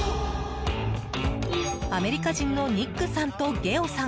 アメリカ人のニックさんとゲオさん。